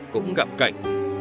cũng gặm cảnh